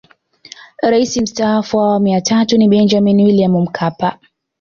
Rais Mstaafu wa Awamu ya tatu ni Benjamini William Mkapa